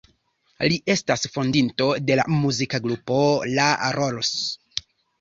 Li estas fondinto de la muzika grupo La Rolls.